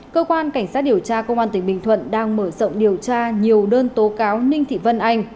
cơ quan cảnh sát điều tra công an tỉnh bình thuận đang mở rộng điều tra nhiều đơn tố cáo ninh thị vân anh